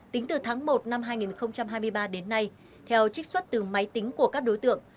tính từ tháng một năm hai nghìn hai mươi ba đến nay theo trích xuất từ máy tính của các đối tượng